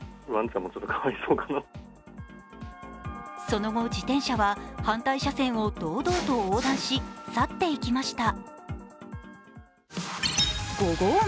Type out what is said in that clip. その後、自転車は反対車線を堂々と横断し去っていきました。